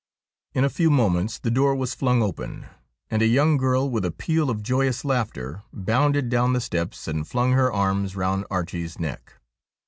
In a few moments the door was flung open, and a young girl, with a peal of joyous laughter, bounded down the steps and flung her arms round Archie's neck.